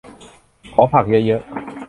ขอผักเยอะเยอะ